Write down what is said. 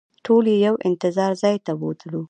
ټول یې یو انتظار ځای ته بوتلو.